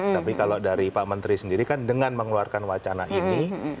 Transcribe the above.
tapi kalau dari pak menteri sendiri kan dengan mengeluarkan wacana ini